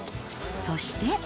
そして。